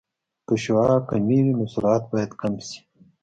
که شعاع کمېږي نو سرعت باید کم شي